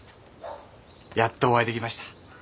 やっとお会いできました。